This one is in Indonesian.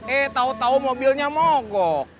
eh tau tau mobilnya mogok